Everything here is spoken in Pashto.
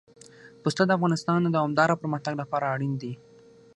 پسه د افغانستان د دوامداره پرمختګ لپاره اړین دي.